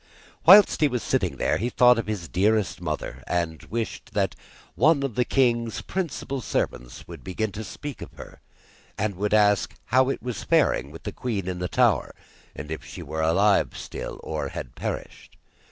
Whilst he was sitting there, he thought of his dearest mother, and wished that one of the king's principal servants would begin to speak of her, and would ask how it was faring with the queen in the tower, and if she were alive still, or had perished.